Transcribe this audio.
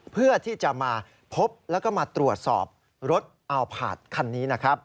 เพื่อที่จะมาพบแล้วก็มาตรวจสอบรถอัลพาร์ทคันนี้นะครับ